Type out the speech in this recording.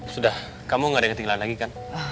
sudah kamu gak ada yang ketinggalan lagi kan